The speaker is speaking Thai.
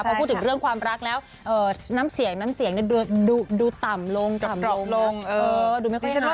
พอพูดถึงเรื่องความรักแล้วน้ำเสียงน้ำเสียงดูต่ำลงดูไม่ค่อยรักเท่าไหร่